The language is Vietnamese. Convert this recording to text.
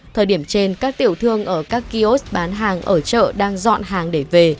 thời điểm trên các tiểu thương ở các kiosk bán hàng ở chợ đang dọn hàng để về